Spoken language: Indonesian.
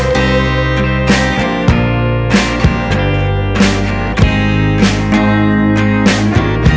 terima kasih banyak om tante